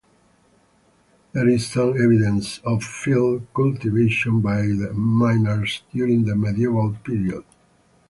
There is some evidence of field cultivation by the miners during the medieval period.